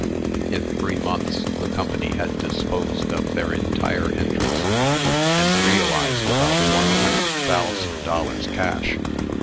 In three months, the Company had disposed of their entire interest, and realized about one hundred thousand dollars cash.